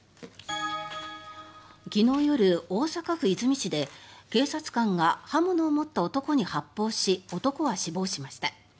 昨日夜、大阪府和泉市で警察官が刃物を持った男に発砲し男は死亡しました。